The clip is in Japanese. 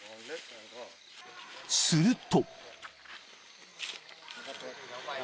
［すると］